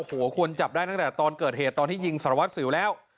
โอ้โหควรจับได้ตั้งแต่ตอนเกิดเหตุตอนที่ยิงสารวัตรสิวแล้ว